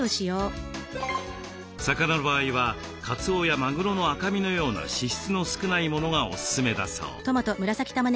魚の場合はかつおやまぐろの赤身のような脂質の少ないものがおすすめだそう。